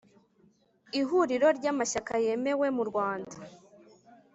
ihuriro ry'amashyaka yemewe mu rwanda.